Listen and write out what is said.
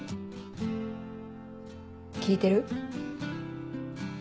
聞いてる？